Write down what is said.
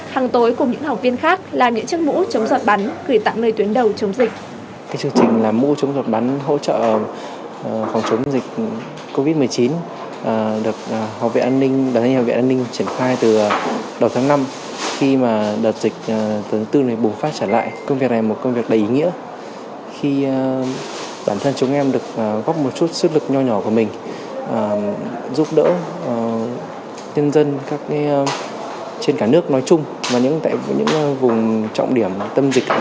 các học viên khác làm những chiếc mũ chống giọt bắn gửi tặng lời tuyến đầu chống dịch